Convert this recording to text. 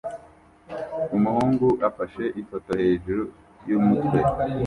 Umuhungu afashe ifoto hejuru yumutwe